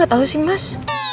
gak tau sih mas